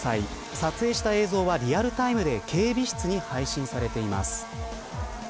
撮影した映像はリアルタイムで警備室に配信されています。